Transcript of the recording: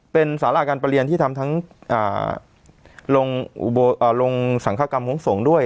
เป็นสาราการประเรียนที่ทำทั้งลงสังฆกรรมของสงฆ์ด้วย